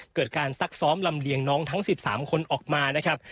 เกิดการซักซ้อมลำเลียนวทั้งสิบสามคนออกมานะครับ